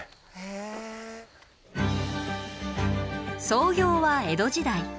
創業は江戸時代。